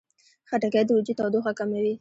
خټکی د وجود تودوخه کموي.